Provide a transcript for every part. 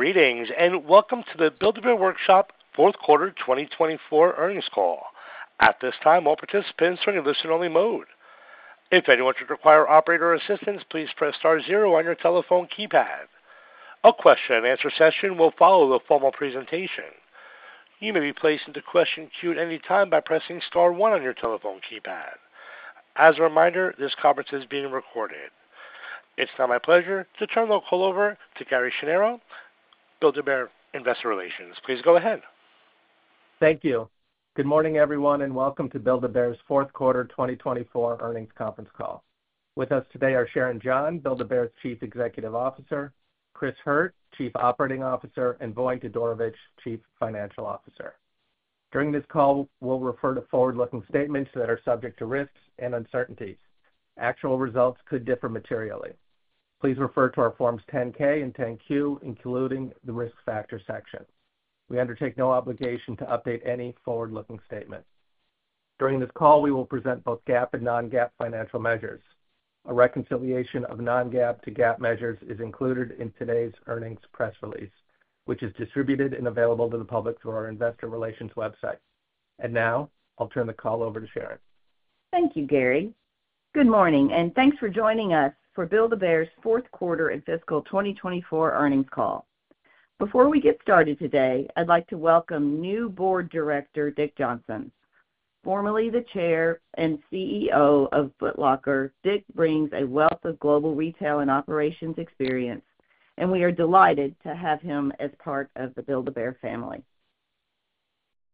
Greetings and welcome to the Build-A-Bear Workshop, fourth quarter 2024, earnings call. At this time, all participants are in listen-only mode. If anyone should require operator assistance, please press star zero on your telephone keypad. A question-and-answer session will follow the formal presentation. You may be placed into question queue at any time by pressing star one on your telephone keypad. As a reminder, this conference is being recorded. It's now my pleasure to turn the call over to Gary Schnierow, Build-A-Bear Investor Relations. Please go ahead. Thank you. Good morning, everyone, and welcome to Build-A-Bear's fourth quarter 2024 earnings conference call. With us today are Sharon John, Build-A-Bear's Chief Executive Officer; Chris Hurt, Chief Operating Officer; and Vojin Todorovic, Chief Financial Officer. During this call, we'll refer to forward-looking statements that are subject to risks and uncertainties. Actual results could differ materially. Please refer to our Forms 10-K and 10-Q, including the risk factor section. Thank you, Gary. Good morning, and thanks for joining us for Build-A-Bear's fourth quarter and fiscal 2024 earnings call. Before we get started today, I'd like to welcome new Board Director, Dick Johnson. Formerly the Chair and CEO of Foot Locker, Dick brings a wealth of global retail and operations experience, and we are delighted to have him as part of the Build-A-Bear family.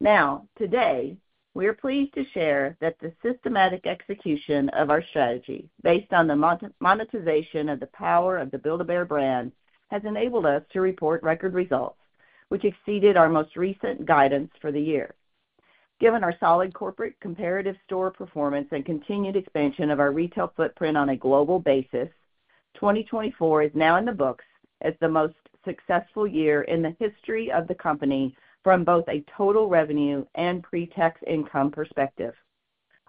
Now, today, we are pleased to share that the systematic execution of our strategy based on the monetization of the power of the Build-A-Bear brand has enabled us to report record results, which exceeded our most recent guidance for the year. Given our solid corporate comparative store performance and continued expansion of our retail footprint on a global basis, 2024 is now in the books as the most successful year in the history of the company from both a total revenue and pre-tax income perspective,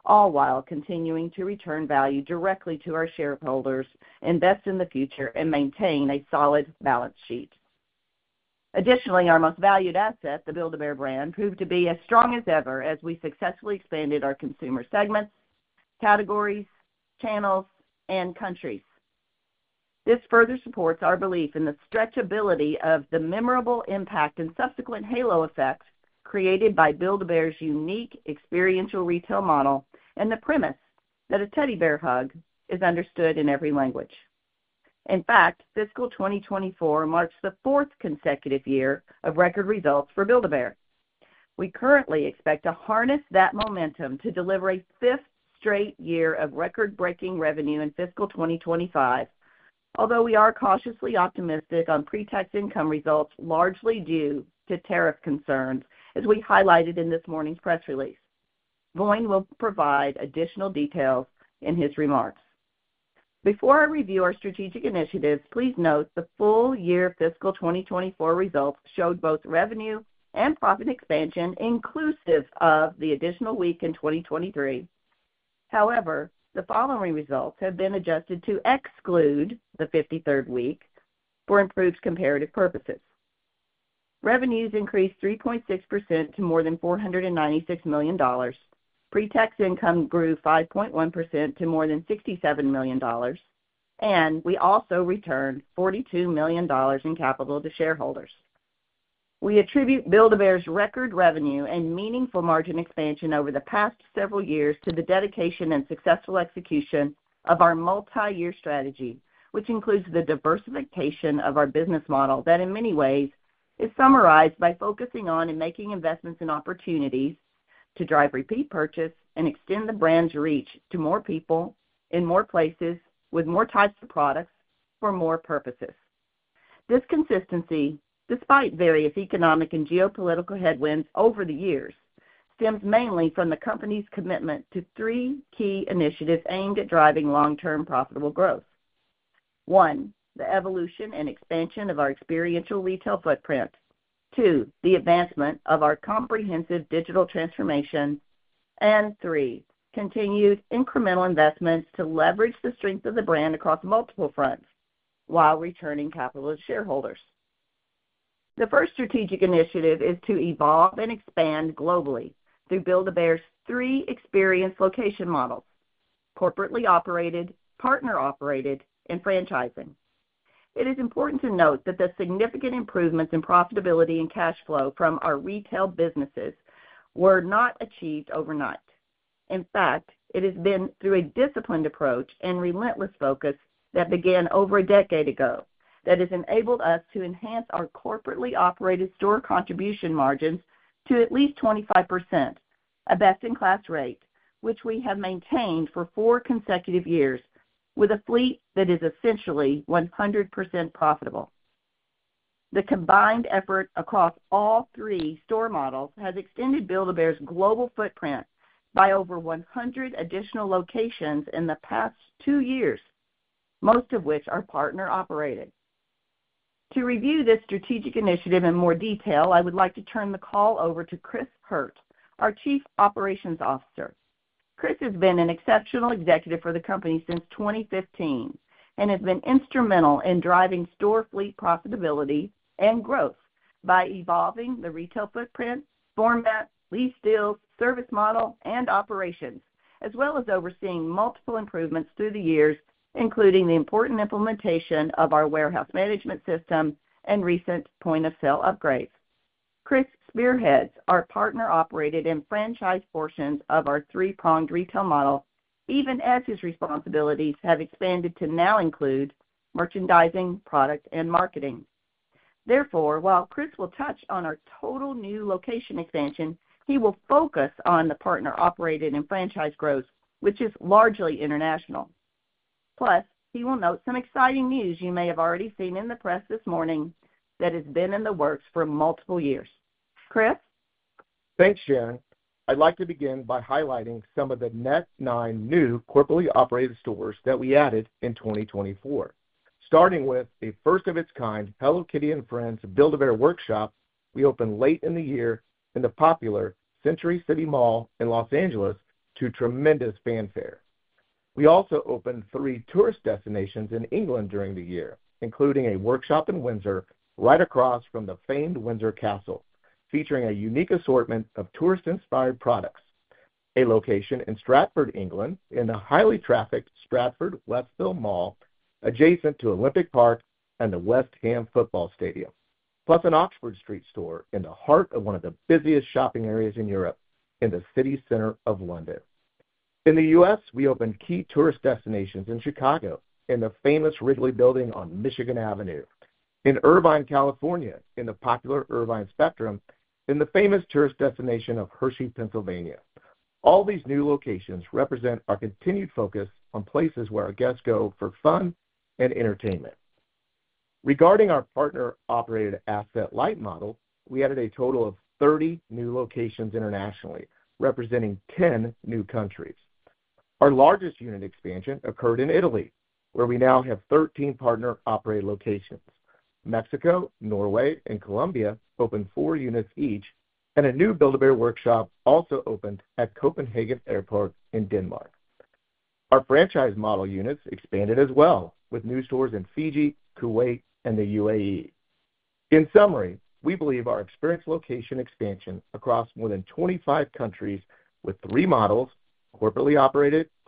all while continuing to return value directly to our shareholders, invest in the future, and maintain a solid balance sheet. Additionally, our most valued asset, the Build-A-Bear brand, proved to be as strong as ever as we successfully expanded our consumer segments, categories, channels, and countries. This further supports our belief in the stretchability of the memorable impact and subsequent halo effect created by Build-A-Bear's unique experiential retail model and the premise that a teddy bear hug is understood in every language. In fact, fiscal 2024 marks the fourth consecutive year of record results for Build-A-Bear. We currently expect to harness that momentum to deliver a fifth straight year of record-breaking revenue in fiscal 2025, although we are cautiously optimistic on pre-tax income results largely due to tariff concerns, as we highlighted in this morning's press release. Voin will provide additional details in his remarks. Before I review our strategic initiatives, please note the full year fiscal 2024 results showed both revenue and profit expansion inclusive of the additional week in 2023. However, the following results have been adjusted to exclude the 53rd week for improved comparative purposes. Revenues increased 3.6% to more than $496 million. Pre-tax income grew 5.1% to more than $67 million, and we also returned $42 million in capital to shareholders. We attribute Build-A-Bear's record revenue and meaningful margin expansion over the past several years to the dedication and successful execution of our multi-year strategy, which includes the diversification of our business model that in many ways is summarized by focusing on and making investments in opportunities to drive repeat purchase and extend the brand's reach to more people in more places with more types of products for more purposes. This consistency, despite various economic and geopolitical headwinds over the years, stems mainly from the company's commitment to three key initiatives aimed at driving long-term profitable growth. One, the evolution and expansion of our experiential retail footprint. Two, the advancement of our comprehensive digital transformation. Three, continued incremental investments to leverage the strength of the brand across multiple fronts while returning capital to shareholders. The first strategic initiative is to evolve and expand globally through Build-A-Bear's three experience location models: corporately operated, partner-operated, and franchising. It is important to note that the significant improvements in profitability and cash flow from our retail businesses were not achieved overnight. In fact, it has been through a disciplined approach and relentless focus that began over a decade ago that has enabled us to enhance our corporately operated store contribution margins to at least 25%, a best-in-class rate, which we have maintained for four consecutive years with a fleet that is essentially 100% profitable. The combined effort across all three store models has extended Build-A-Bear's global footprint by over 100 additional locations in the past two years, most of which are partner-operated. To review this strategic initiative in more detail, I would like to turn the call over to Chris Hurt, our Chief Operations Officer. Chris has been an exceptional executive for the company since 2015 and has been instrumental in driving store fleet profitability and growth by evolving the retail footprint, format, lease deals, service model, and operations, as well as overseeing multiple improvements through the years, including the important implementation of our warehouse management system and recent point-of-sale upgrades. Chris spearheads our partner-operated and franchised portions of our three-pronged retail model, even as his responsibilities have expanded to now include merchandising, product, and marketing. Therefore, while Chris will touch on our total new location expansion, he will focus on the partner-operated and franchised growth, which is largely international. Plus, he will note some exciting news you may have already seen in the press this morning that has been in the works for multiple years. Chris? Thanks, Sharon. I'd like to begin by highlighting some of the next nine new corporately operated stores that we added in 2024, starting with a first-of-its-kind Hello Kitty and Friends Build-A-Bear Workshop we opened late in the year in the popular Century City Mall in Los Angeles to tremendous fanfare. We also opened three tourist destinations in England during the year, including a workshop in Windsor right across from the famed Windsor Castle, featuring a unique assortment of tourist-inspired products: a location in Stratford, England, in the highly trafficked Stratford Westfield Mall adjacent to Olympic Park and the West Ham Football Stadium, plus an Oxford Street store in the heart of one of the busiest shopping areas in Europe in the city center of London. In the U.S., we opened key tourist destinations in Chicago, in the famous Wrigley Building on Michigan Avenue, in Irvine, California, in the popular Irvine Spectrum, in the famous tourist destination of Hershey, Pennsylvania. All these new locations represent our continued focus on places where our guests go for fun and entertainment. Regarding our partner-operated asset light model, we added a total of 30 new locations internationally, representing 10 new countries. Our largest unit expansion occurred in Italy, where we now have 13 partner-operated locations. Mexico, Norway, and Colombia opened four units each, and a new Build-A-Bear Workshop also opened at Copenhagen Airport in Denmark. Our franchise model units expanded as well, with new stores in Fiji, Kuwait, and the UAE.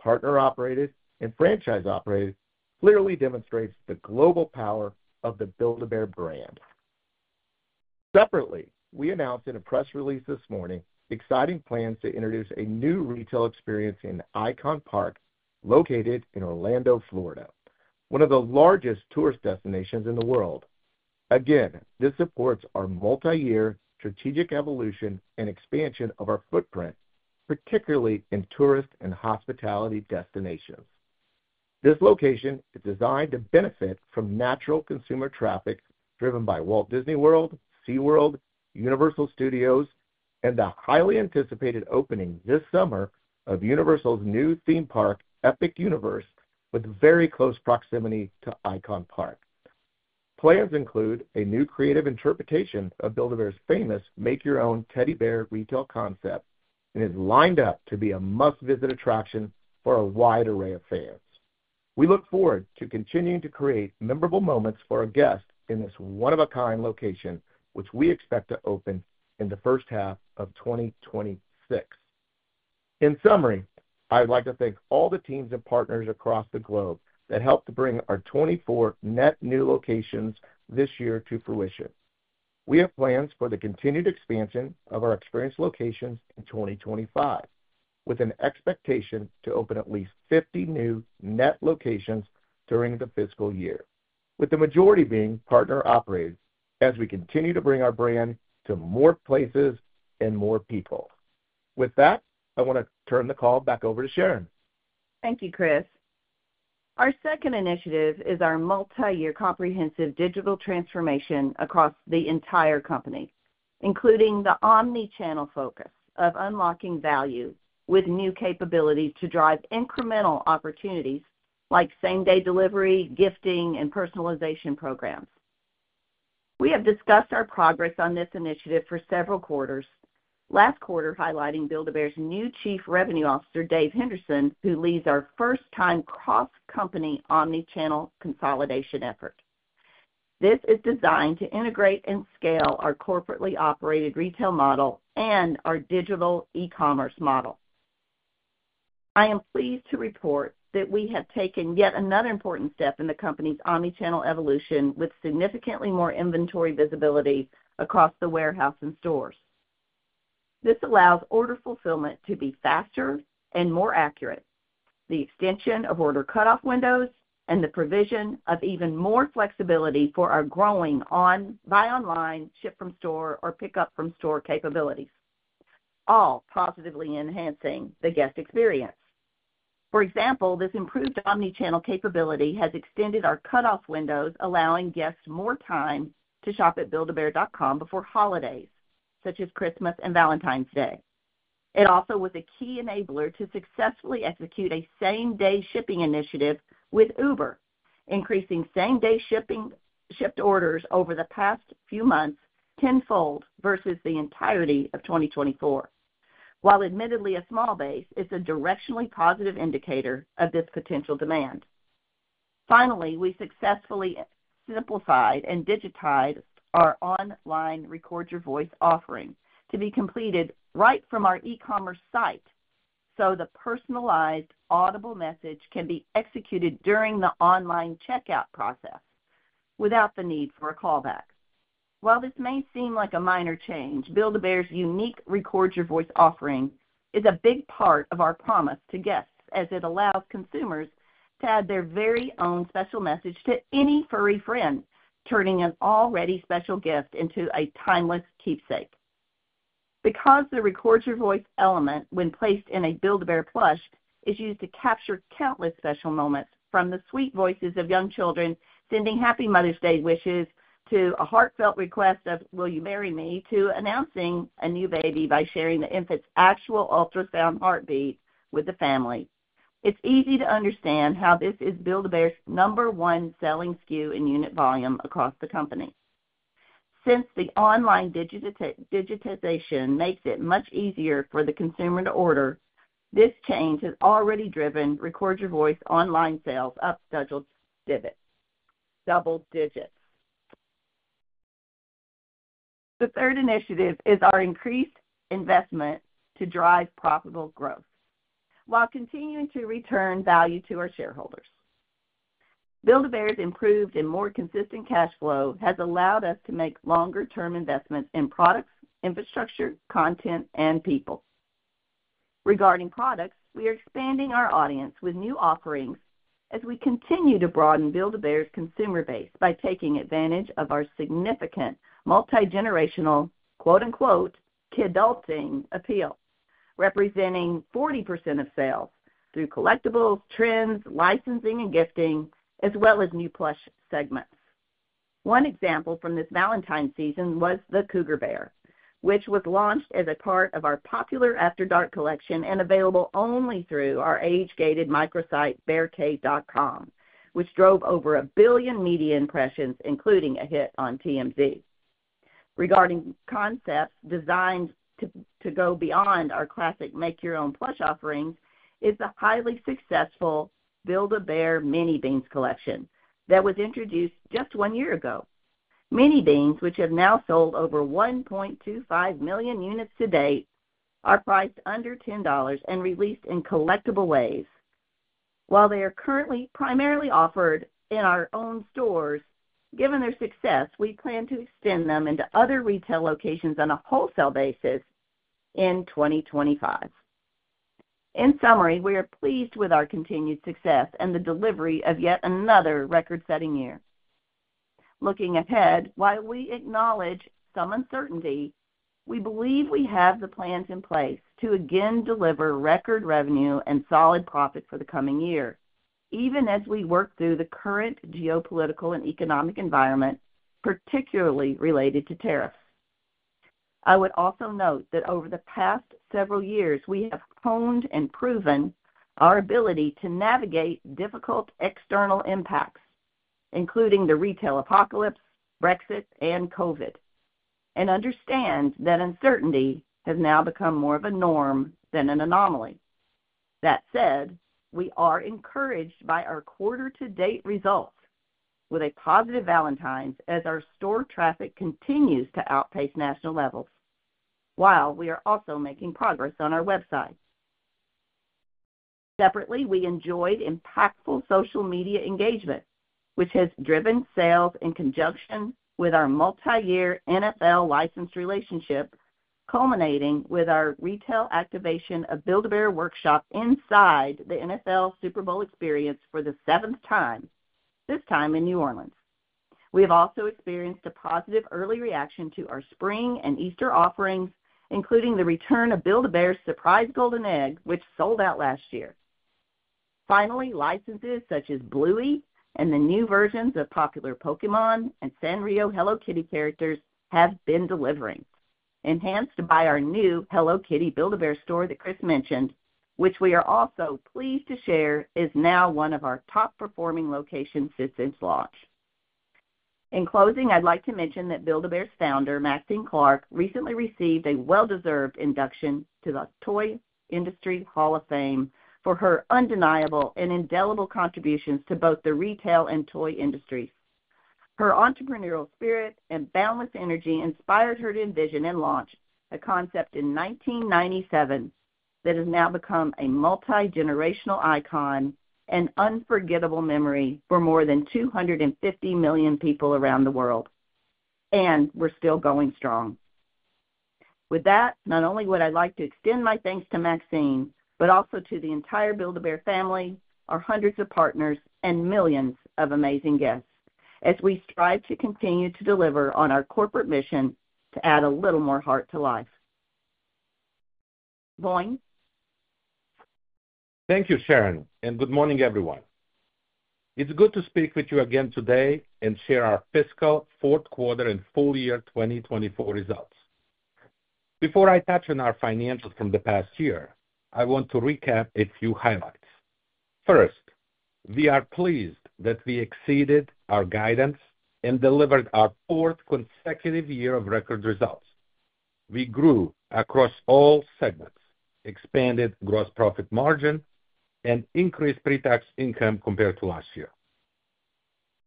In summary, we believe our experience location expansion across more than 25 countries with three models—corporately operated, partner-operated, and franchise-operated—clearly demonstrates the global power of the Build-A-Bear brand. Separately, we announced in a press release this morning exciting plans to introduce a new retail experience in Icon Park, located in Orlando, Florida, one of the largest tourist destinations in the world. Again, this supports our multi-year strategic evolution and expansion of our footprint, particularly in tourist and hospitality destinations. This location is designed to benefit from natural consumer traffic driven by Walt Disney World, SeaWorld, Universal Studios, and the highly anticipated opening this summer of Universal's new theme park, Epic Universe, with very close proximity to Icon Park. Plans include a new creative interpretation of Build-A-Bear's famous make-your-own teddy bear retail concept and is lined up to be a must-visit attraction for a wide array of fans. We look forward to continuing to create memorable moments for our guests in this one-of-a-kind location, which we expect to open in the first half of 2026. In summary, I would like to thank all the teams and partners across the globe that helped to bring our 24 net new locations this year to fruition. We have plans for the continued expansion of our experience locations in 2025, with an expectation to open at least 50 new net locations during the fiscal year, with the majority being partner-operated as we continue to bring our brand to more places and more people. With that, I want to turn the call back over to Sharon. Thank you, Chris. Our second initiative is our multi-year comprehensive digital transformation across the entire company, including the omnichannel focus of unlocking value with new capabilities to drive incremental opportunities like same-day delivery, gifting, and personalization programs. We have discussed our progress on this initiative for several quarters, last quarter highlighting Build-A-Bear's new Chief Revenue Officer, Dave Henderson, who leads our first-time cross-company omnichannel consolidation effort. This is designed to integrate and scale our corporately operated retail model and our digital e-commerce model. I am pleased to report that we have taken yet another important step in the company's omnichannel evolution with significantly more inventory visibility across the warehouse and stores. This allows order fulfillment to be faster and more accurate, the extension of order cutoff windows, and the provision of even more flexibility for our growing buy-online, ship-from-store, or pick-up-from-store capabilities, all positively enhancing the guest experience. For example, this improved omnichannel capability has extended our cutoff windows, allowing guests more time to shop at buildabear.com before holidays such as Christmas and Valentine's Day. It also was a key enabler to successfully execute a same-day shipping initiative with Uber, increasing same-day shipped orders over the past few months tenfold versus the entirety of 2024. While admittedly a small base, it's a directionally positive indicator of this potential demand. Finally, we successfully simplified and digitized our online record-your-voice offering to be completed right from our e-commerce site so the personalized audible message can be executed during the online checkout process without the need for a callback. While this may seem like a minor change, Build-A-Bear's unique record-your-voice offering is a big part of our promise to guests as it allows consumers to add their very own special message to any furry friend, turning an already special gift into a timeless keepsake. Because the record-your-voice element, when placed in a Build-A-Bear plush, is used to capture countless special moments from the sweet voices of young children sending happy Mother's Day wishes to a heartfelt request of "Will you marry me?" to announcing a new baby by sharing the infant's actual ultrasound heartbeat with the family, it's easy to understand how this is Build-A-Bear's number one selling SKU in unit volume across the company. Since the online digitization makes it much easier for the consumer to order, this change has already driven record-your-voice online sales up double digits. The third initiative is our increased investment to drive profitable growth while continuing to return value to our shareholders. Build-A-Bear's improved and more consistent cash flow has allowed us to make longer-term investments in products, infrastructure, content, and people. Regarding products, we are expanding our audience with new offerings as we continue to broaden Build-A-Bear's consumer base by taking advantage of our significant multi-generational "kidulting" appeal, representing 40% of sales through collectibles, trends, licensing, and gifting, as well as new plush segments. One example from this Valentine season was the Cougar Bear, which was launched as a part of our popular After Dark collection and available only through our age-gated microsite bearcave.com, which drove over a billion media impressions, including a hit on TMZ. Regarding concepts designed to go beyond our classic make-your-own plush offerings is the highly successful Build-A-Bear Mini Beans collection that was introduced just one year ago. Mini Beans, which have now sold over 1.25 million units to date, are priced under $10 and released in collectible ways, while they are currently primarily offered in our own stores. Given their success, we plan to extend them into other retail locations on a wholesale basis in 2025. In summary, we are pleased with our continued success and the delivery of yet another record-setting year. Looking ahead, while we acknowledge some uncertainty, we believe we have the plans in place to again deliver record revenue and solid profit for the coming year, even as we work through the current geopolitical and economic environment, particularly related to tariffs. I would also note that over the past several years, we have honed and proven our ability to navigate difficult external impacts, including the retail apocalypse, Brexit, and COVID, and understand that uncertainty has now become more of a norm than an anomaly. That said, we are encouraged by our quarter-to-date results with a positive Valentine's as our store traffic continues to outpace national levels, while we are also making progress on our website. Separately, we enjoyed impactful social media engagement, which has driven sales in conjunction with our multi-year NFL licensed relationship, culminating with our retail activation of Build-A-Bear Workshop inside the NFL Super Bowl experience for the seventh time, this time in New Orleans. We have also experienced a positive early reaction to our spring and Easter offerings, including the return of Build-A-Bear's surprise Golden Egg, which sold out last year. Finally, licenses such as Bluey and the new versions of popular Pokémon and Sanrio Hello Kitty characters have been delivering, enhanced by our new Hello Kitty Build-A-Bear Store that Chris mentioned, which we are also pleased to share is now one of our top-performing locations since its launch. In closing, I'd like to mention that Build-A-Bear's founder, Maxine Clark, recently received a well-deserved induction to the Toy Industry Hall of Fame for her undeniable and indelible contributions to both the retail and toy industries. Her entrepreneurial spirit and boundless energy inspired her to envision and launch a concept in 1997 that has now become a multi-generational icon and unforgettable memory for more than 250 million people around the world, and we're still going strong. With that, not only would I like to extend my thanks to Maxine, but also to the entire Build-A-Bear family, our hundreds of partners, and millions of amazing guests as we strive to continue to deliver on our corporate mission to add a little more heart to life. Voin. Thank you, Sharon, and good morning, everyone. It's good to speak with you again today and share our fiscal fourth quarter and full year 2024 results. Before I touch on our financials from the past year, I want to recap a few highlights. First, we are pleased that we exceeded our guidance and delivered our fourth consecutive year of record results. We grew across all segments, expanded gross profit margin, and increased pre-tax income compared to last year.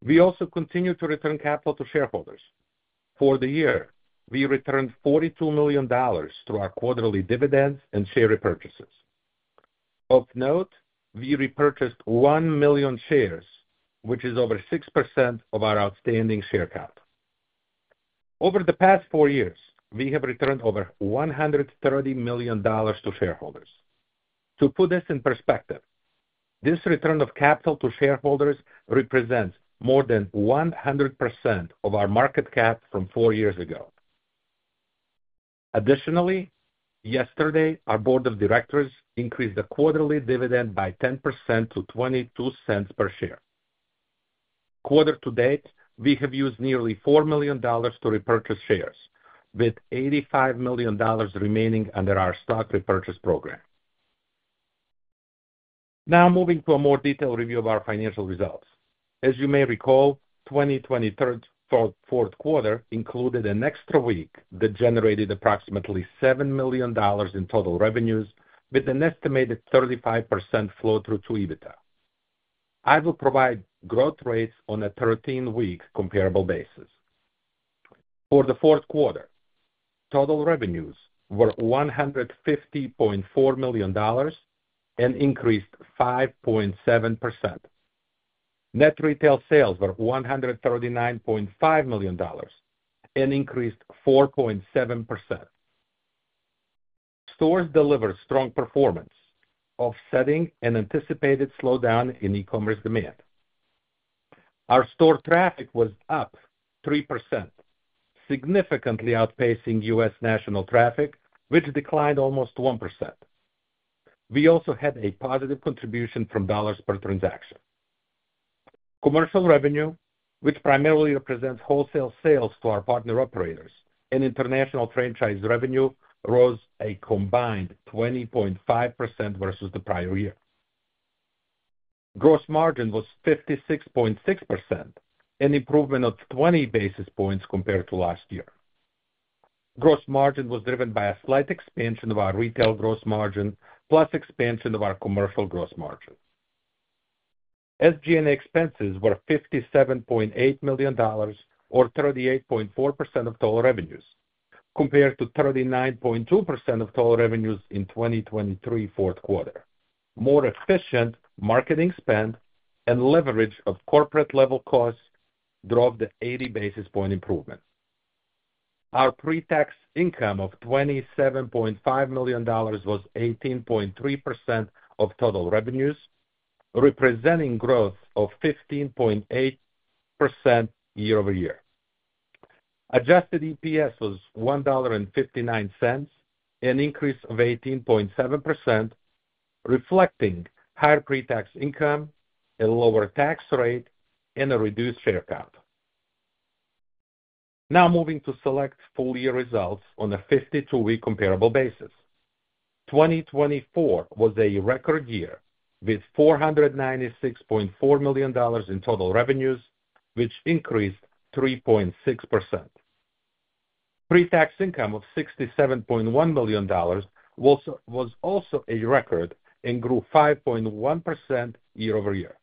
We also continue to return capital to shareholders. For the year, we returned $42 million through our quarterly dividends and share repurchases. Of note, we repurchased 1 million shares, which is over 6% of our outstanding share count. Over the past four years, we have returned over $130 million to shareholders. To put this in perspective, this return of capital to shareholders represents more than 100% of our market cap from four years ago. Additionally, yesterday, our board of directors increased the quarterly dividend by 10% to $0.22 per share. Quarter to date, we have used nearly $4 million to repurchase shares, with $85 million remaining under our stock repurchase program. Now, moving to a more detailed review of our financial results. As you may recall, 2023 fourth quarter included an extra week that generated approximately $7 million in total revenues with an estimated 35% flow-through to EBITDA. I will provide growth rates on a 13-week comparable basis. For the fourth quarter, total revenues were $150.4 million and increased 5.7%. Net retail sales were $139.5 million and increased 4.7%. Stores delivered strong performance, offsetting an anticipated slowdown in e-commerce demand. Our store traffic was up 3%, significantly outpacing U.S. National traffic, which declined almost 1%. We also had a positive contribution from dollars per transaction. Commercial revenue, which primarily represents wholesale sales to our partner operators, and international franchise revenue rose a combined 20.5% versus the prior year. Gross margin was 56.6%, an improvement of 20 basis points compared to last year. Gross margin was driven by a slight expansion of our retail gross margin plus expansion of our commercial gross margin. SG&A expenses were $57.8 million, or 38.4% of total revenues, compared to 39.2% of total revenues in 2023 fourth quarter. More efficient marketing spend and leverage of corporate-level costs drove the 80 basis point improvement. Our pre-tax income of $27.5 million was 18.3% of total revenues, representing growth of 15.8% year over year. Adjusted EPS was $1.59, an increase of 18.7%, reflecting higher pre-tax income, a lower tax rate, and a reduced share count. Now, moving to select full year results on a 52-week comparable basis. 2024 was a record year with $496.4 million in total revenues, which increased 3.6%. Pre-tax income of $67.1 million was also a record and grew 5.1% year over year.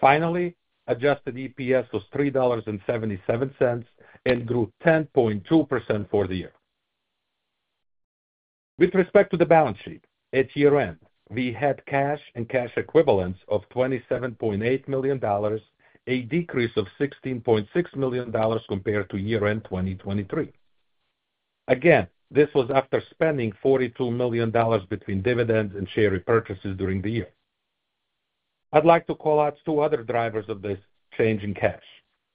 Finally, adjusted EPS was $3.77 and grew 10.2% for the year. With respect to the balance sheet, at year-end, we had cash and cash equivalents of $27.8 million, a decrease of $16.6 million compared to year-end 2023. Again, this was after spending $42 million between dividends and share repurchases during the year. I'd like to call out two other drivers of this: change in cash,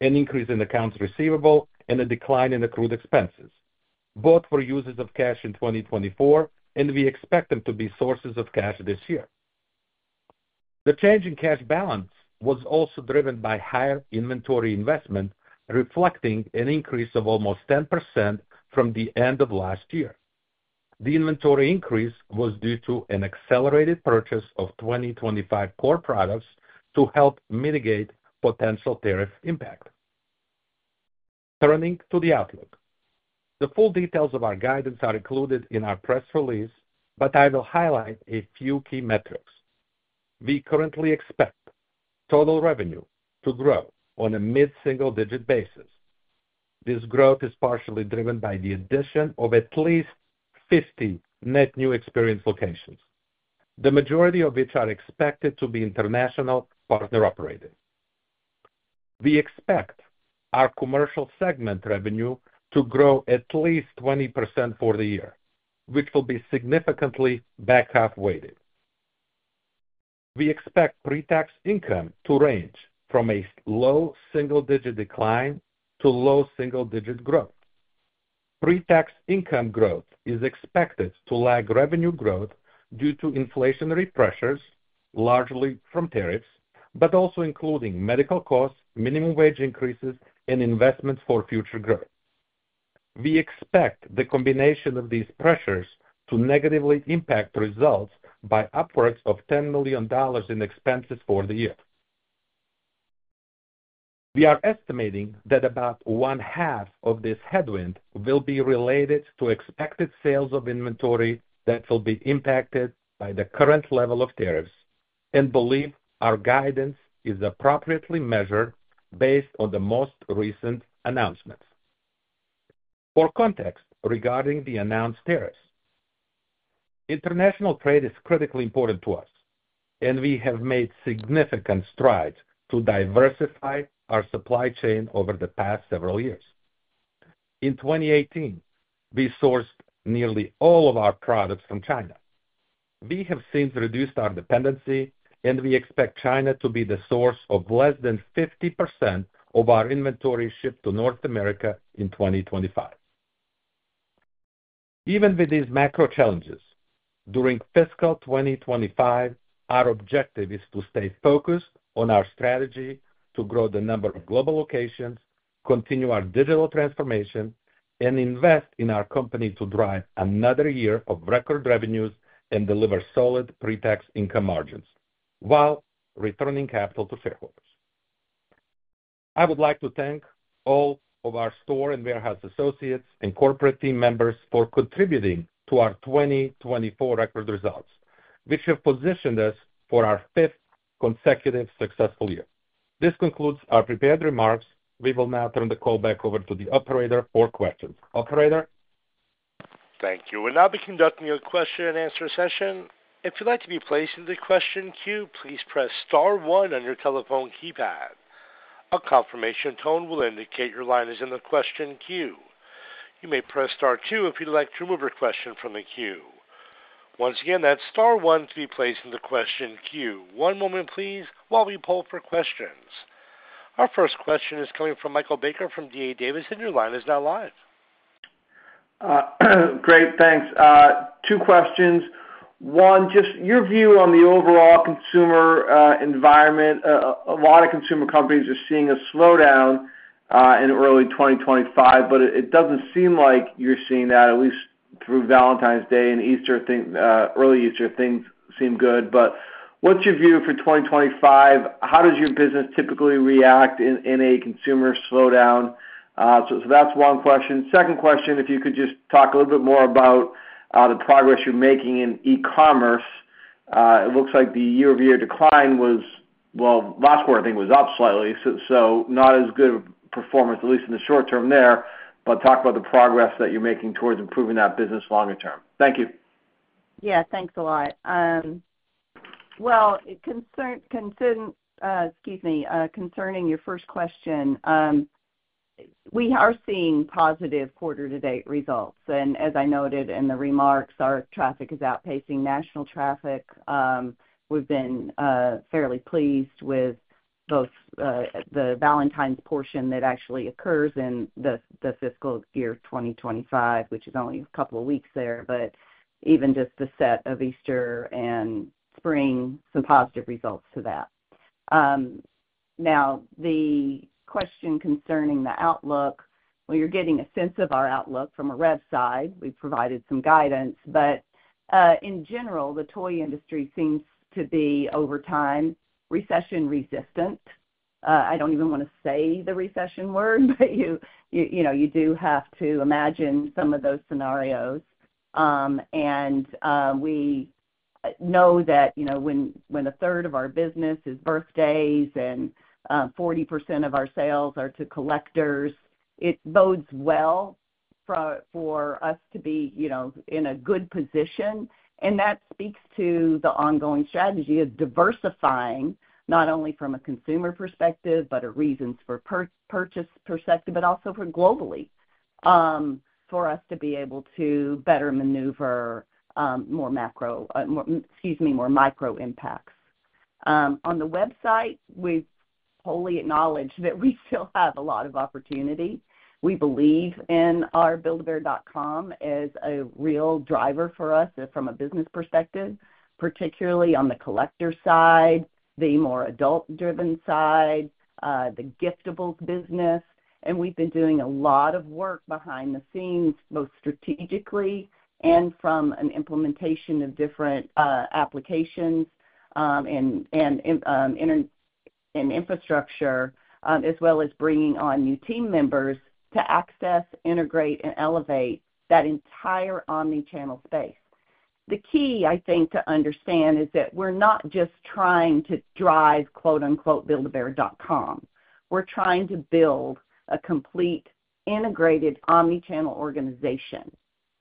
an increase in accounts receivable, and a decline in accrued expenses, both were users of cash in 2024, and we expect them to be sources of cash this year. The changing cash balance was also driven by higher inventory investment, reflecting an increase of almost 10% from the end of last year. The inventory increase was due to an accelerated purchase of 2025 core products to help mitigate potential tariff impact. Turning to the outlook, the full details of our guidance are included in our press release, but I will highlight a few key metrics. We currently expect total revenue to grow on a mid-single-digit basis. This growth is partially driven by the addition of at least 50 net new experience locations, the majority of which are expected to be international partner operators. We expect our commercial segment revenue to grow at least 20% for the year, which will be significantly back half weighted. We expect pre-tax income to range from a low single-digit decline to low single-digit growth. Pre-tax income growth is expected to lag revenue growth due to inflationary pressures, largely from tariffs, but also including medical costs, minimum wage increases, and investment for future growth. We expect the combination of these pressures to negatively impact results by upwards of $10 million in expenses for the year. We are estimating that about one-half of this headwind will be related to expected sales of inventory that will be impacted by the current level of tariffs and believe our guidance is appropriately measured based on the most recent announcements. For context regarding the announced tariffs, international trade is critically important to us, and we have made significant strides to diversify our supply chain over the past several years. In 2018, we sourced nearly all of our products from China. We have since reduced our dependency, and we expect China to be the source of less than 50% of our inventory shipped to North America in 2025. Even with these macro challenges, during fiscal 2025, our objective is to stay focused on our strategy to grow the number of global locations, continue our digital transformation, and invest in our company to drive another year of record revenues and deliver solid pre-tax income margins while returning capital to shareholders. I would like to thank all of our store and warehouse associates and corporate team members for contributing to our 2024 record results, which have positioned us for our fifth consecutive successful year. This concludes our prepared remarks. We will now turn the call back over to the operator for questions. Operator. Thank you. We'll now begin the opening of the question and answer session. If you'd like to be placed in the question queue, please press Star 1 on your telephone keypad. A confirmation tone will indicate your line is in the question queue. You may press Star 2 if you'd like to remove your question from the queue. Once again, that's Star 1 to be placed in the question queue. One moment, please, while we pull up our questions. Our first question is coming from Michael Baker from D.A. Davidson & Co., and your line is now live. Great. Thanks. Two questions. One, just your view on the overall consumer environment. A lot of consumer companies are seeing a slowdown in early 2025, but it doesn't seem like you're seeing that, at least through Valentine's Day and Easter. Early Easter things seem good. What's your view for 2025? How does your business typically react in a consumer slowdown? That's one question. Second question, if you could just talk a little bit more about the progress you're making in e-commerce. It looks like the year-over-year decline was, well, last quarter, I think, was up slightly, so not as good a performance, at least in the short term there. Talk about the progress that you're making towards improving that business longer term. Thank you. Yeah. Thanks a lot. Excuse me, concerning your first question, we are seeing positive quarter-to-date results. As I noted in the remarks, our traffic is outpacing national traffic. We've been fairly pleased with both the Valentine's portion that actually occurs in the fiscal year 2025, which is only a couple of weeks there, but even just the set of Easter and spring, some positive results to that. Now, the question concerning the outlook, you're getting a sense of our outlook from a rev side. We've provided some guidance. In general, the toy industry seems to be, over time, recession-resistant. I don't even want to say the recession word, but you do have to imagine some of those scenarios. We know that when a third of our business is birthdays and 40% of our sales are to collectors, it bodes well for us to be in a good position. That speaks to the ongoing strategy of diversifying not only from a consumer perspective, but a reasons for purchase perspective, but also globally, for us to be able to better maneuver more macro—excuse me—more micro impacts. On the website, we've wholly acknowledged that we still have a lot of opportunity. We believe in our Build-A-Bear.com as a real driver for us from a business perspective, particularly on the collector side, the more adult-driven side, the giftables business. We've been doing a lot of work behind the scenes, both strategically and from an implementation of different applications and infrastructure, as well as bringing on new team members to access, integrate, and elevate that entire omnichannel space. The key, I think, to understand is that we're not just trying to drive "build-a-bear.com." We're trying to build a complete integrated omnichannel organization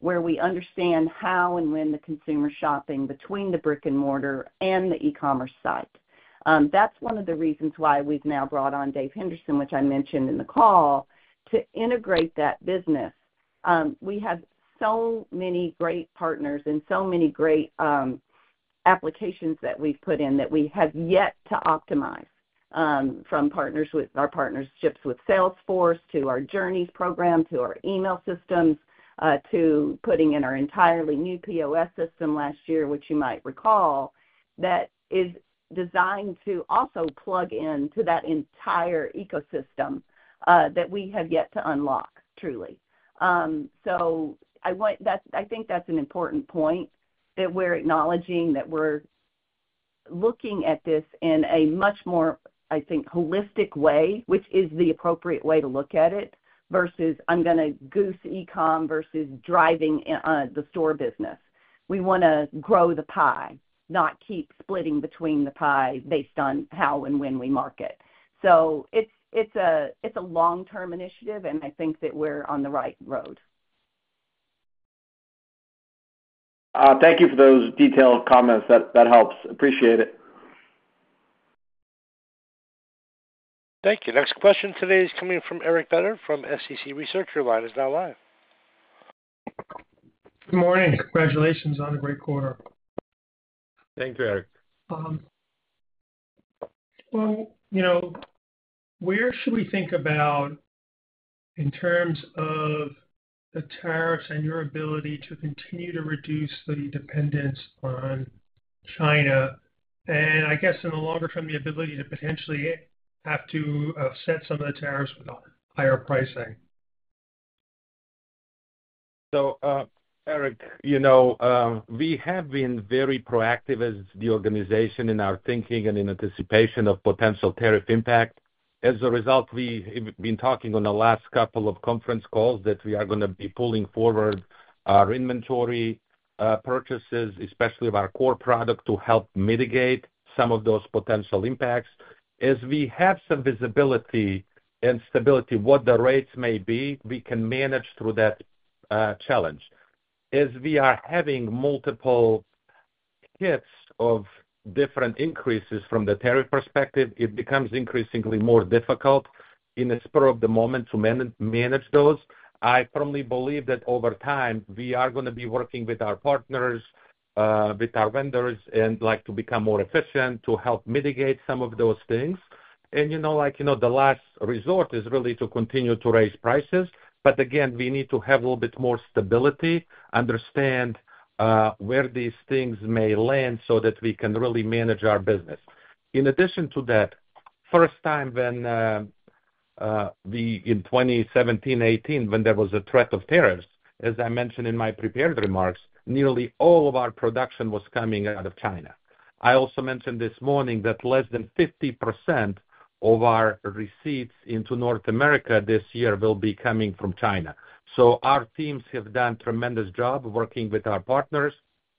where we understand how and when the consumer's shopping between the brick-and-mortar and the e-commerce site. That's one of the reasons why we've now brought on Dave Henderson, which I mentioned in the call, to integrate that business. We have so many great partners and so many great applications that we've put in that we have yet to optimize, from our partnerships with Salesforce to our Journeys program to our email systems to putting in our entirely new POS system last year, which you might recall, that is designed to also plug into that entire ecosystem that we have yet to unlock, truly. I think that's an important point that we're acknowledging that we're looking at this in a much more, I think, holistic way, which is the appropriate way to look at it versus I'm going to goose e-comm versus driving the store business. We want to grow the pie, not keep splitting between the pie based on how and when we market. It's a long-term initiative, and I think that we're on the right road. Thank you for those detailed comments. That helps. Appreciate it. Thank you. Next question today is coming from Eric Beder from Small Cap Consumer Research. Your line is now live. Good morning. Congratulations on a great quarter. Thank you, Eric. Where should we think about in terms of the tariffs and your ability to continue to reduce the dependence on China and, I guess, in the longer term, the ability to potentially have to set some of the tariffs with higher pricing? Eric, we have been very proactive as the organization in our thinking and in anticipation of potential tariff impact. As a result, we've been talking on the last couple of conference calls that we are going to be pulling forward our inventory purchases, especially of our core product, to help mitigate some of those potential impacts. As we have some visibility and stability of what the rates may be, we can manage through that challenge. As we are having multiple hits of different increases from the tariff perspective, it becomes increasingly more difficult in the spur of the moment to manage those. I firmly believe that over time, we are going to be working with our partners, with our vendors, and like to become more efficient to help mitigate some of those things. The last resort is really to continue to raise prices. Again, we need to have a little bit more stability, understand where these things may land so that we can really manage our business. In addition to that, first time in 2017, 2018, when there was a threat of tariffs, as I mentioned in my prepared remarks, nearly all of our production was coming out of China. I also mentioned this morning that less than 50% of our receipts into North America this year will be coming from China. Our teams have done a tremendous job working with our partners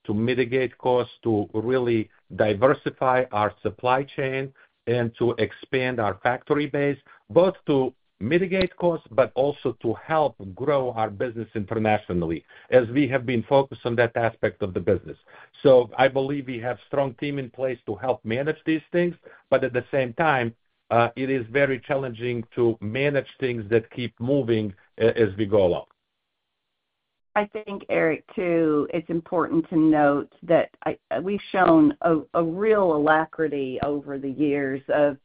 to mitigate costs, to really diversify our supply chain, and to expand our factory base, both to mitigate costs but also to help grow our business internationally, as we have been focused on that aspect of the business. I believe we have a strong team in place to help manage these things. At the same time, it is very challenging to manage things that keep moving as we go along. I think, Eric, too, it's important to note that we've shown a real alacrity over the years of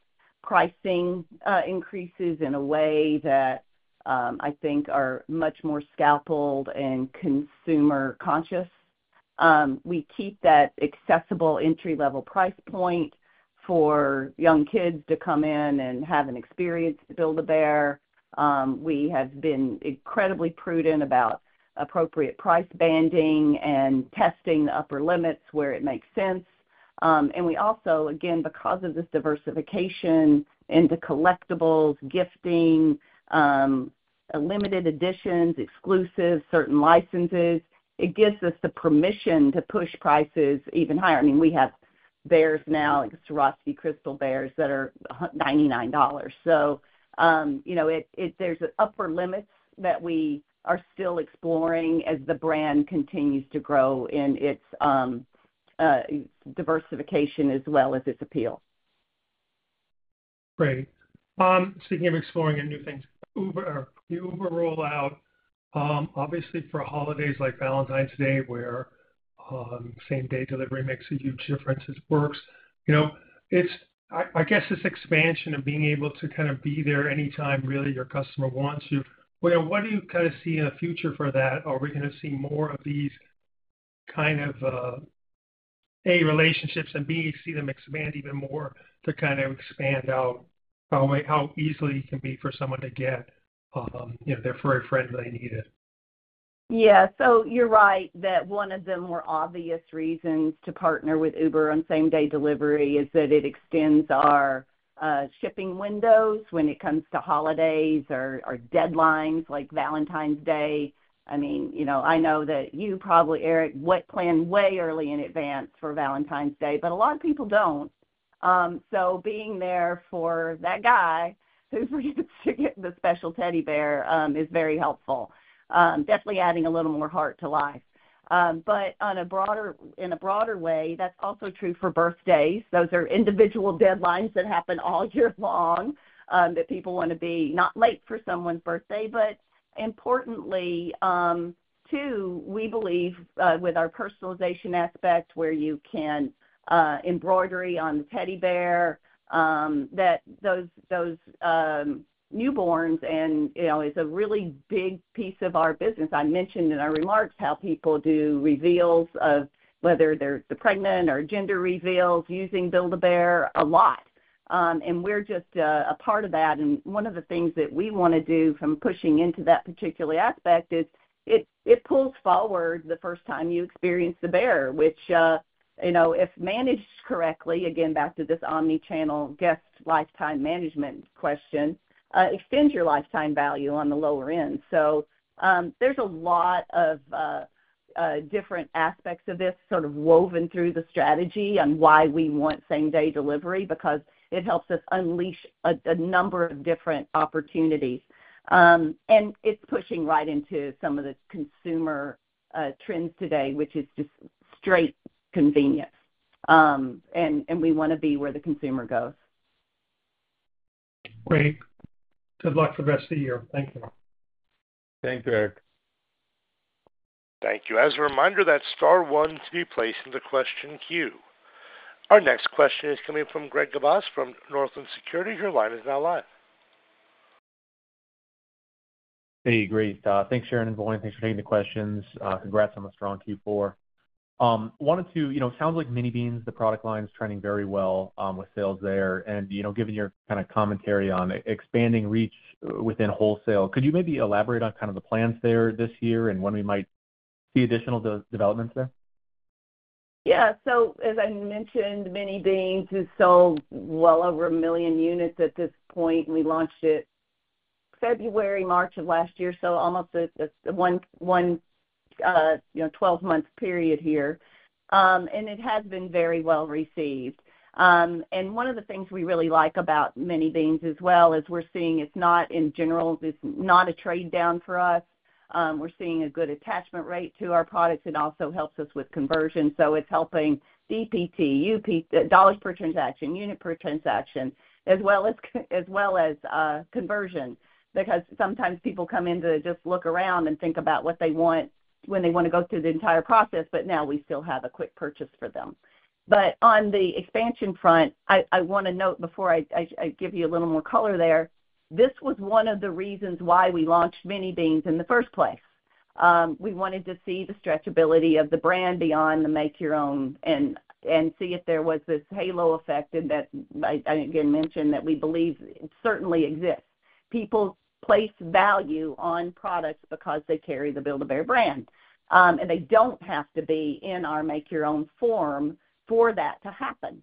pricing increases in a way that I think are much more scaled and consumer-conscious. We keep that accessible entry-level price point for young kids to come in and have an experience to Build-A-Bear. We have been incredibly prudent about appropriate price banding and testing the upper limits where it makes sense. We also, again, because of this diversification into collectibles, gifting, limited editions, exclusives, certain licenses, it gives us the permission to push prices even higher. I mean, we have bears now, like the Swarovski Crystal Bears, that are $99. There are upper limits that we are still exploring as the brand continues to grow in its diversification as well as its appeal. Great. Speaking of exploring new things, the Uber rollout, obviously, for holidays like Valentine's Day, where same-day delivery makes a huge difference, it works. I guess this expansion of being able to kind of be there anytime really your customer wants you, what do you kind of see in the future for that? Are we going to see more of these kind of, A, relationships and, B, see them expand even more to kind of expand out how easily it can be for someone to get their furry friend when they need it? Yeah. You're right that one of the more obvious reasons to partner with Uber on same-day delivery is that it extends our shipping windows when it comes to holidays or deadlines like Valentine's Day. I mean, I know that you probably, Eric, plan way early in advance for Valentine's Day, but a lot of people don't. Being there for that guy who forgets to get the special teddy bear is very helpful. Definitely adding a little more heart to life. In a broader way, that's also true for birthdays. Those are individual deadlines that happen all year long that people want to be not late for someone's birthday. Importantly, too, we believe with our personalization aspect where you can embroidery on the teddy bear, that those newborns and it's a really big piece of our business. I mentioned in our remarks how people do reveals of whether they're pregnant or gender reveals using Build-A-Bear a lot. We're just a part of that. One of the things that we want to do from pushing into that particular aspect is it pulls forward the first time you experience the bear, which, if managed correctly, again, back to this omnichannel guest lifetime management question, extends your lifetime value on the lower end. There are a lot of different aspects of this sort of woven through the strategy on why we want same-day delivery because it helps us unleash a number of different opportunities. It's pushing right into some of the consumer trends today, which is just straight convenience. We want to be where the consumer goes. Great. Good luck for the rest of the year. Thank you. Thank you, Eric. Thank you. As a reminder, that's star one, three places in the question queue. Our next question is coming from Gregory Thomas Gibas from Northland Capital Markets. Your line is now live. Hey, great. Thanks, Sharon and Voin. Thanks for taking the questions. Congrats on the strong Q4. Wanted to sound like Mini Beans, the product line is trending very well with sales there. Given your kind of commentary on expanding reach within wholesale, could you maybe elaborate on kind of the plans there this year and when we might see additional developments there? Yeah. As I mentioned, Mini Beans has sold well over a million units at this point. We launched it February, March of last year, so almost a 12-month period here. It has been very well received. One of the things we really like about Mini Beans as well is we're seeing it's not, in general, a trade-down for us. We're seeing a good attachment rate to our products. It also helps us with conversion. It's helping DPT, dollars per transaction, unit per transaction, as well as conversion because sometimes people come in to just look around and think about what they want when they want to go through the entire process, but now we still have a quick purchase for them. On the expansion front, I want to note before I give you a little more color there, this was one of the reasons why we launched Mini Beans in the first place. We wanted to see the stretchability of the brand beyond the make-your-own and see if there was this halo effect that I again mentioned that we believe certainly exists. People place value on products because they carry the Build-A-Bear brand. And they do not have to be in our make-your-own form for that to happen.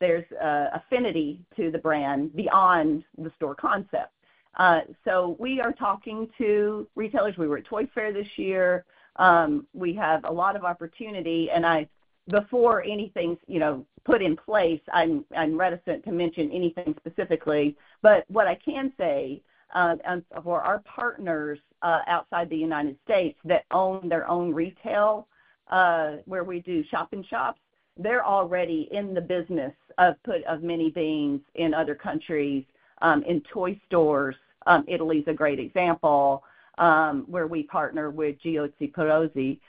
There is affinity to the brand beyond the store concept. We are talking to retailers. We were at Toy Fair this year. We have a lot of opportunity. Before anything is put in place, I am reticent to mention anything specifically. What I can say for our partners outside the U.S. that own their own retail where we do shop-in-shops, they're already in the business of Mini Beans in other countries, in toy stores. Italy's a great example where we partner with Giochi Preziosi.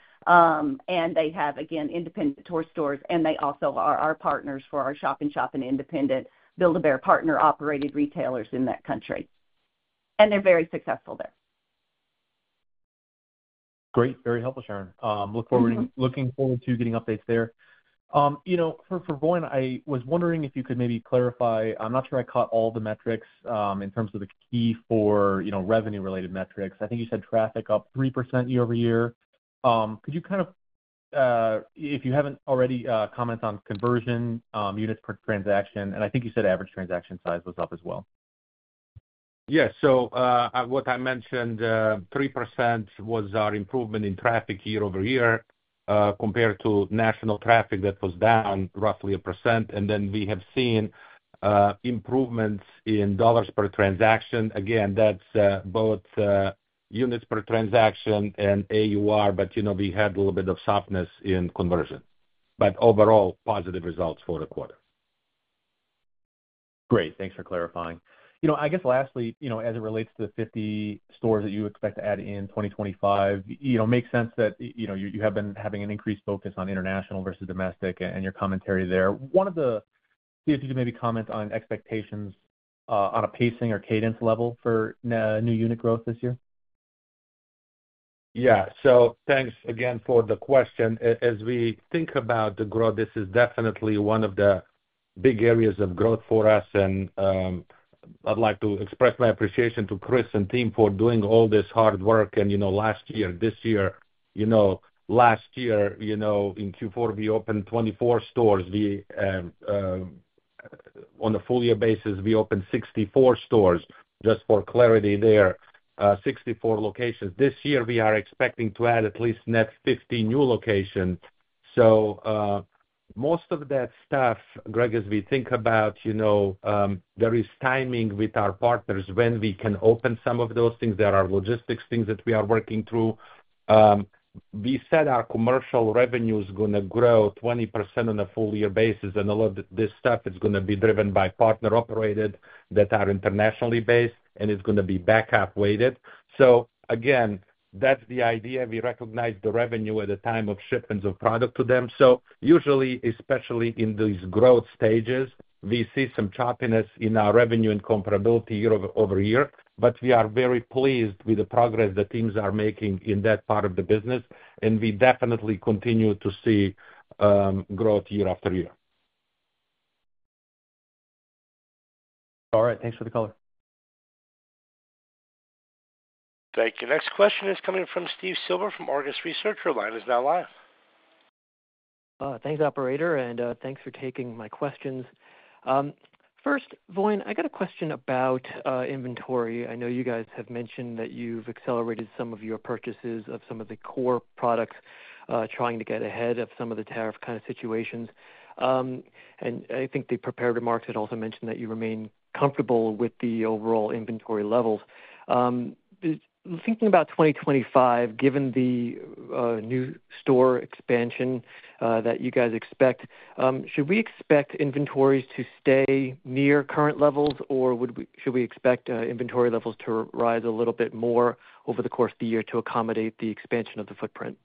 They have, again, independent toy stores. They also are our partners for our shop-in-shop and independent Build-A-Bear partner-operated retailers in that country. They're very successful there. Great. Very helpful, Sharon. Looking forward to getting updates there. For Voin, I was wondering if you could maybe clarify. I'm not sure I caught all the metrics in terms of the key for revenue-related metrics. I think you said traffic up 3% year over year. Could you kind of, if you haven't already, comment on conversion, units per transaction? I think you said average transaction size was up as well. Yes. What I mentioned, 3% was our improvement in traffic year over year compared to national traffic that was down roughly 1%. We have seen improvements in dollars per transaction. Again, that's both units per transaction and AUR, but we had a little bit of softness in conversion. Overall, positive results for the quarter. Great. Thanks for clarifying. I guess lastly, as it relates to the 50 stores that you expect to add in 2025, it makes sense that you have been having an increased focus on international versus domestic and your commentary there. One of the—can you maybe comment on expectations on a pacing or cadence level for new unit growth this year? Yeah. Thanks again for the question. As we think about the growth, this is definitely one of the big areas of growth for us. I'd like to express my appreciation to Chris and team for doing all this hard work. Last year, in Q4, we opened 24 stores. On a full-year basis, we opened 64 stores. Just for clarity there, 64 locations. This year, we are expecting to add at least net 50 new locations. Most of that stuff, Greg, as we think about, there is timing with our partners when we can open some of those things. There are logistics things that we are working through. We said our commercial revenue is going to grow 20% on a full-year basis. A lot of this stuff is going to be driven by partner-operated that are internationally based, and it's going to be backup-weighted. Again, that's the idea. We recognize the revenue at the time of shipments of product to them. Usually, especially in these growth stages, we see some choppiness in our revenue and comparability year over year. We are very pleased with the progress that teams are making in that part of the business. We definitely continue to see growth year after year. All right. Thanks for the color. Thank you. Next question is coming from Steven Silver from Argus Research. Your line is now live. Thanks, operator. Thanks for taking my questions. First, Voin, I got a question about inventory. I know you guys have mentioned that you've accelerated some of your purchases of some of the core products, trying to get ahead of some of the tariff kind of situations. I think the prepared remarks had also mentioned that you remain comfortable with the overall inventory levels. Thinking about 2025, given the new store expansion that you guys expect, should we expect inventories to stay near current levels, or should we expect inventory levels to rise a little bit more over the course of the year to accommodate the expansion of the footprint?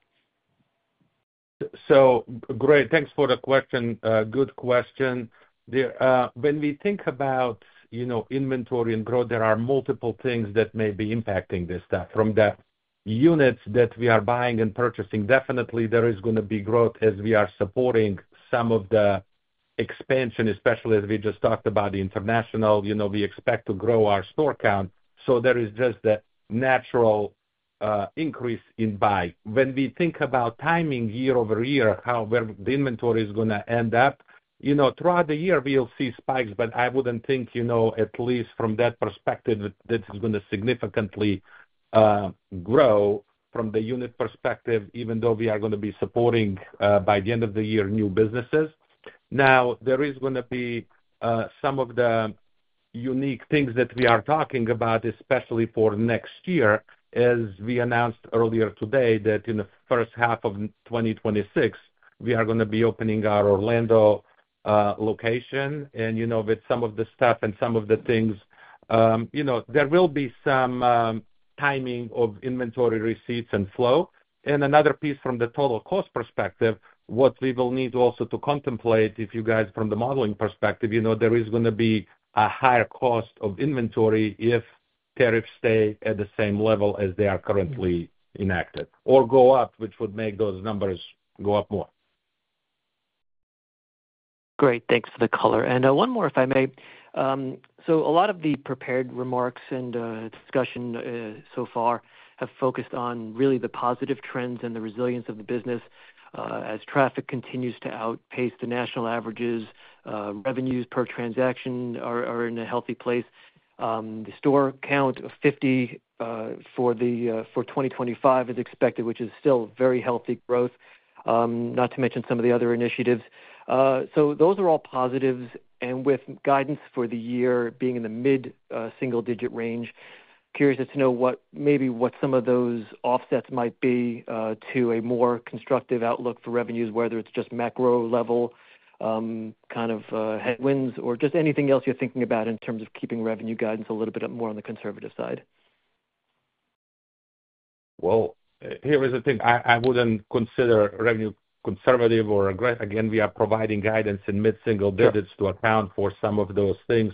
Great. Thanks for the question. Good question. When we think about inventory and growth, there are multiple things that may be impacting this stuff. From the units that we are buying and purchasing, definitely there is going to be growth as we are supporting some of the expansion, especially as we just talked about the international. We expect to grow our store count. There is just the natural increase in buy. When we think about timing year over year, how the inventory is going to end up, throughout the year, we'll see spikes. I wouldn't think, at least from that perspective, that it's going to significantly grow from the unit perspective, even though we are going to be supporting, by the end of the year, new businesses. Now, there is going to be some of the unique things that we are talking about, especially for next year, as we announced earlier today that in the first half of 2026, we are going to be opening our Orlando location. With some of the stuff and some of the things, there will be some timing of inventory receipts and flow. Another piece from the total cost perspective, what we will need also to contemplate, if you guys from the modeling perspective, there is going to be a higher cost of inventory if tariffs stay at the same level as they are currently enacted or go up, which would make those numbers go up more. Great. Thanks for the color. One more, if I may. A lot of the prepared remarks and discussion so far have focused on really the positive trends and the resilience of the business. As traffic continues to outpace the national averages, revenues per transaction are in a healthy place. The store count of 50 for 2025 is expected, which is still very healthy growth, not to mention some of the other initiatives. Those are all positives. With guidance for the year being in the mid-single-digit range, curious to know maybe what some of those offsets might be to a more constructive outlook for revenues, whether it's just macro-level kind of headwinds or just anything else you're thinking about in terms of keeping revenue guidance a little bit more on the conservative side. Here is the thing. I would not consider revenue conservative or aggressive. Again, we are providing guidance in mid-single digits to account for some of those things.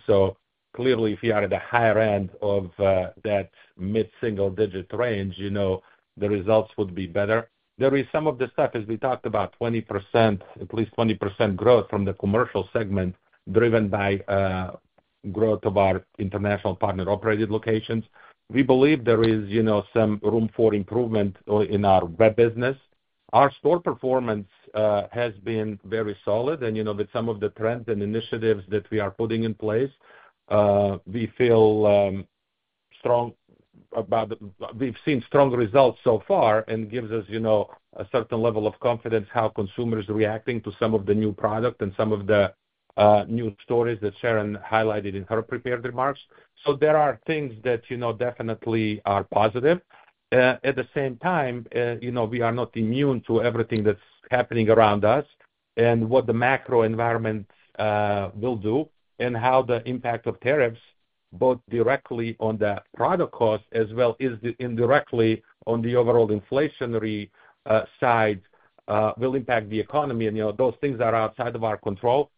Clearly, if you are at the higher end of that mid-single-digit range, the results would be better. There is some of the stuff, as we talked about, 20%, at least 20% growth from the commercial segment driven by growth of our international partner-operated locations. We believe there is some room for improvement in our web business. Our store performance has been very solid. With some of the trends and initiatives that we are putting in place, we feel strong about, we have seen strong results so far and it gives us a certain level of confidence how consumers are reacting to some of the new product and some of the new stories that Sharon highlighted in her prepared remarks. There are things that definitely are positive. At the same time, we are not immune to everything that's happening around us and what the macro environment will do and how the impact of tariffs, both directly on the product cost as well as indirectly on the overall inflationary side, will impact the economy. Those things are outside of our control.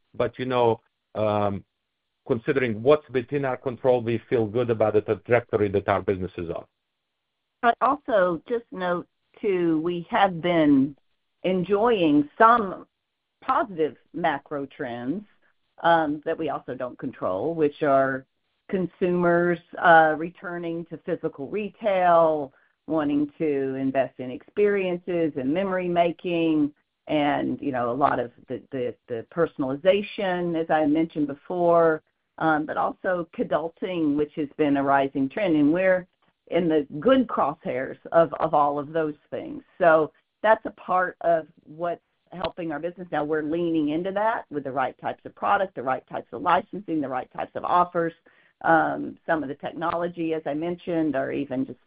Considering what's within our control, we feel good about the trajectory that our business is on. I'd also just note too we have been enjoying some positive macro trends that we also don't control, which are consumers returning to physical retail, wanting to invest in experiences and memory-making, and a lot of the personalization, as I mentioned before, but also consulting, which has been a rising trend. We're in the good crosshairs of all of those things. That's a part of what's helping our business. Now, we're leaning into that with the right types of product, the right types of licensing, the right types of offers. Some of the technology, as I mentioned, or even just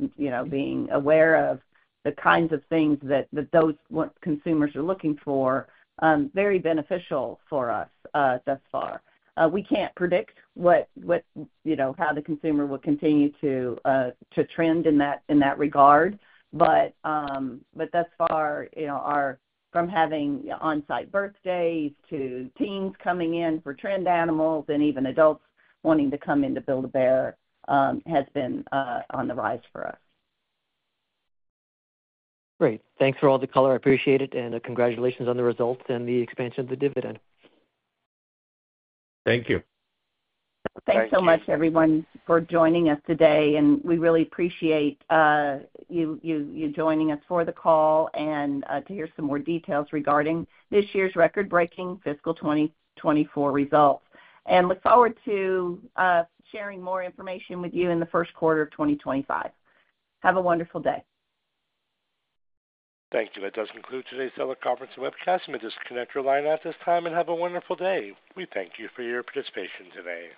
being aware of the kinds of things that those consumers are looking for, very beneficial for us thus far. We can't predict how the consumer will continue to trend in that regard. Thus far, from having on-site birthdays to teens coming in for trend animals and even adults wanting to come in to Build-A-Bear has been on the rise for us. Great. Thanks for all the color. I appreciate it. Congratulations on the results and the expansion of the dividend. Thank you. Thanks so much, everyone, for joining us today. We really appreciate you joining us for the call and to hear some more details regarding this year's record-breaking fiscal 2024 results. We look forward to sharing more information with you in the first quarter of 2025. Have a wonderful day. Thank you. That does conclude today's Teleconference Webcast. I'm going to disconnect your line at this time and have a wonderful day. We thank you for your participation today.